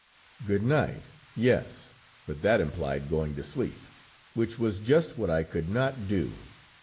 "Good night, yes! But that implied going to sleep, which was just what I could not do.